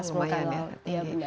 wah lumayan ya